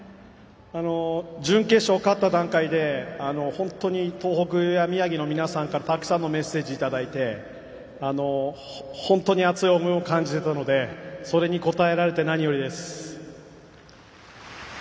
準決勝勝った段階で本当に東北や宮城の皆さんからたくさんのメッセージ頂いて本当に熱い思いを感じてたのでそれに応えられて何よりです。